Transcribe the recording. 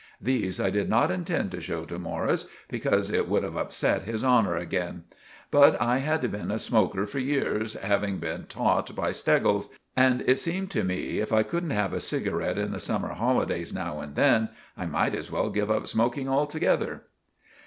These I did not intend to show to Morris, because it wood have upset his honour again; but I had been a smoaker for years, having been tought by Steggles, and it seemed to me if I couldn't have a cigaret in the summer holidays now and then, I might as well give up smoaking all together.